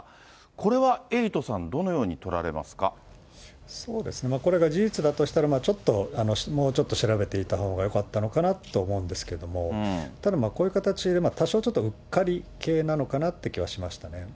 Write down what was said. これはエイトさん、どのように取そうですね、これが事実だとしたら、ちょっともうちょっと調べていた方がよかったのかなと思うんですけれども、ただ、こういう形で、多少、ちょっとうっかり系なのかなという気はしましたね。